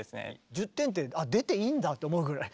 １０点って出ていいんだって思うぐらい。